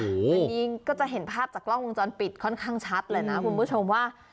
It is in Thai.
อันนี้ก็จะเห็นภาพจากกล้องวงจรปิดค่อนข้างชัดเลยนะคุณผู้ชมว่า